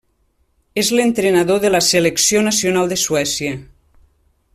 És l'entrenador de la selecció nacional de Suècia.